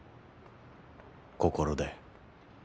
心で。